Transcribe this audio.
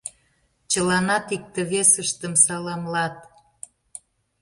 Чыланат икте-весыштым саламлат.